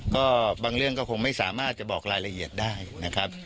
ก็บางเรื่องก็คงไม่สามารถจะบอกรายละเอียดได้นะครับ